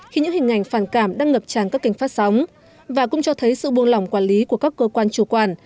khi những hình ảnh phản cảm đang ngập tràn các kênh phát sóng và cũng cho thấy sự buông lỏng quản lý của các cơ quan chủ quản